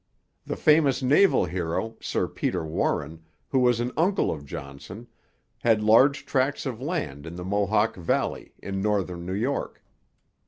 The famous naval hero, Sir Peter Warren, who was an uncle of Johnson, had large tracts of land in the Mohawk valley, in northern New York.